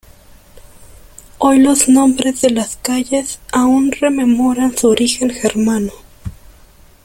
Hoy los nombres de las calles aún rememoran su origen germano.